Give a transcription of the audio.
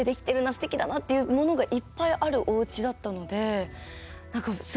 すてきだなっていうものがいっぱいあるおうちだったのですごく分かります。